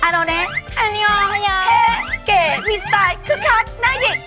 อร่อนะอันยองเท่เก่มีสไตล์คึกคักหน้าหญิง